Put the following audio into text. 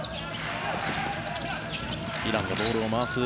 イランがボールを回す。